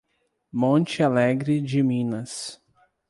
Monte Alegre de Minas